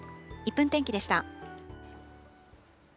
１分天気でした。